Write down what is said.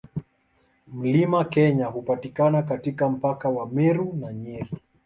Mlima Kenya hupatikana katika mpaka wa Meru na Nyeri.